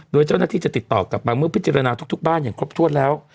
โดยเจ้าหน้าที่จะติดต่อกลับมาเมื่อพิจารณาทุกบ้านอย่างครบถ้วนแล้ว